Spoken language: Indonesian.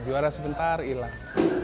juara sebentar hilang